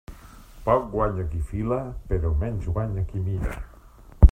Poc guanya qui fila, però menys guanya qui mira.